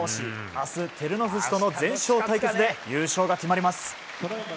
明日、照ノ富士との全勝対決で優勝が決まります！